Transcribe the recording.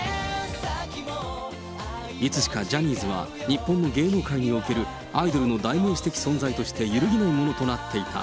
いつしかジャニーズは日本の芸能界におけるアイドルの代名詞的存在として揺るぎないものとなっていた。